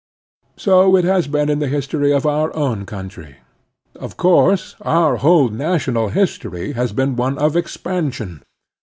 So it has been in the history of our own country. Of course our whole national history has been one of expansion.